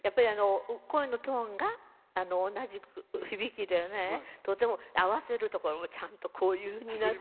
声のトーンが同じ響きで、とても合わせるところもちゃんとこういうふうに。